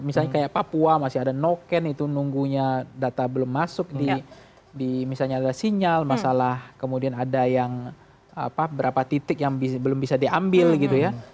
misalnya kayak papua masih ada noken itu nunggunya data belum masuk di misalnya ada sinyal masalah kemudian ada yang berapa titik yang belum bisa diambil gitu ya